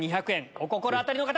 お心当たりの方！